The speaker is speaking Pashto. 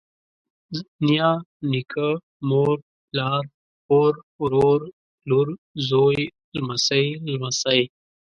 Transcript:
نيا، نيکه، مور، پلار، خور، ورور، لور، زوى، لمسۍ، لمسى